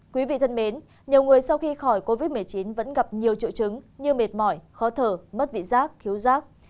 quý vị thân mến nhiều người sau khi khỏi covid một mươi chín vẫn gặp nhiều triệu chứng như mệt mỏi khó thở mất vị giác thiếu rác